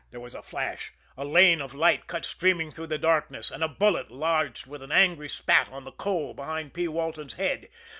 There was a flash, a lane of light cut streaming through the darkness, and a bullet lodged with an angry spat on the coal behind P. Walton's head.